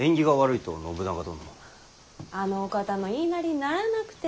あのお方の言いなりにならなくても。